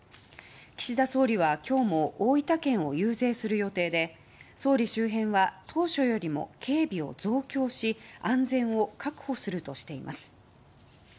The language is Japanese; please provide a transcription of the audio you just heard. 岸田総理は今日も大分県を遊説する予定で総理周辺は当初よりも警備を増強し安全を確保するとしています。